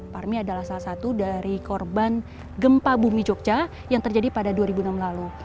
parmi adalah salah satu dari korban gempa bumi jogja yang terjadi pada dua ribu enam lalu